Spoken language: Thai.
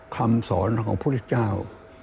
คำสอนของพุทธเจ้า